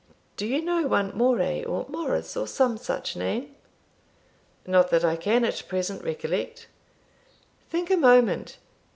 Do you know one Moray, or Morris, or some such name?" "Not that I can at present recollect." "Think a moment.